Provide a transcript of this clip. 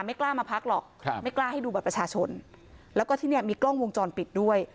ไม่กล้ามาพักหรอกครับไม่กล้าให้ดูบัตรประชาชนแล้วก็ที่เนี่ยมีกล้องวงจรปิดด้วย